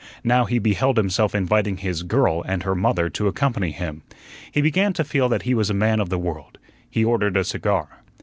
Now he beheld himself inviting his "girl" and her mother to accompany him. He began to feel that he was a man of the world. He ordered a cigar.